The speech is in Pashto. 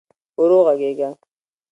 ورو ږغېږه !